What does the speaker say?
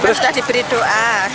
karena sudah diberi doa